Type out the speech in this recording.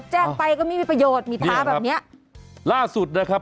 แจ้งไปก็ไม่มีประโยชน์มีท้าแบบเนี้ยล่าสุดนะครับ